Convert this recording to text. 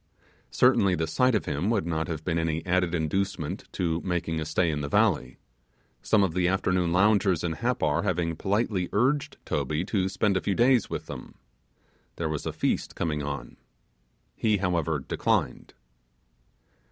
Certainly the sight of him would not have been any added inducement to making a stay in the valley, some of the afternoon loungers in Happar having politely urged Toby to spend a few days with them, there was a feast coming on. He, however, declined.